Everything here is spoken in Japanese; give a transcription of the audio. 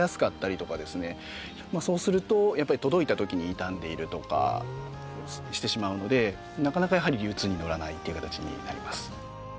そうするとやっぱり届いたときに傷んでいるとかしてしまうのでなかなかやはり流通にのらないっていう形になります。